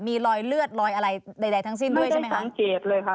มีรอยเลือดรอยอะไรใดทั้งสิ้นด้วยใช่ไหมคะสังเกตเลยค่ะ